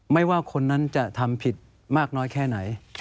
ไม่ว่าคนนั้นจะทำผิดมากน้อยแค่ไหน